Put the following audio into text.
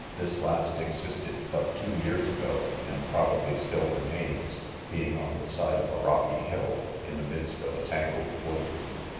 This last existed but two years ago, and probably still remains 5 being on the side of a rocky hill, in the midst of a tangled wood.